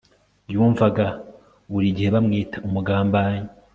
yumvaga buri gihe bamwita umugambanyi